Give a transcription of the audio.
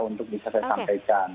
untuk bisa saya sampaikan